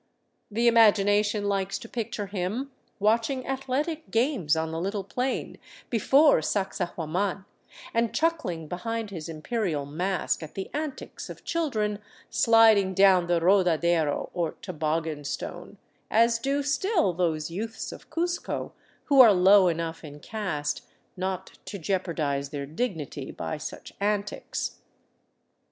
The imagination likes to picture him watching athletic games on the little plain before Sacsahuaman, and chuckling behind his Imperial mask at the antics of children sliding down the Rodadero, or toboggan stone, as do still those youths of Cuzco who are low enough in caste not to jeopardize their dignity by such antics.